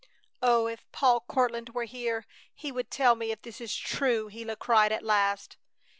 "Oh, if Paul Courtland were here he would tell me if this is true!" Gila cried at last.